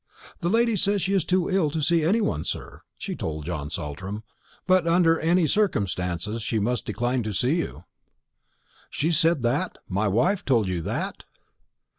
"The lady says she is too ill to see any one, sir," she told John Saltram; "but under any circumstances she must decline to see you." "She said that my wife told you that?"